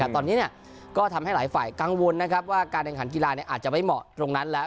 แต่ตอนนี้ก็ทำให้หลายฝ่ายกังวลนะครับว่าการแข่งขันกีฬาอาจจะไม่เหมาะตรงนั้นแล้ว